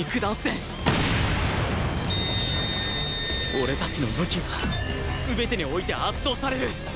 俺たちの武器が全てにおいて圧倒される！